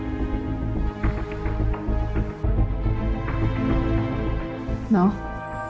terima kasih mbak